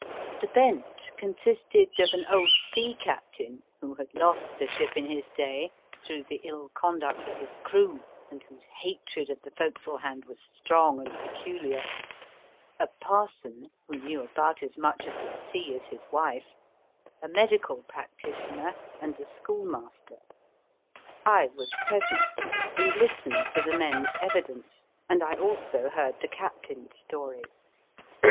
The bench consisted of an old sea captain, who had lost a ship in his day through the ill conduct of his crew, and THE MAGISTRATE. whose hatred of the forecastle hand was strong and peculiar ; a parson, who knew about as much of the sea as his wife ; a medical practitioner, and a schoolmaster. I was present, and listened to the men s evidence, and I also heard the captain s story.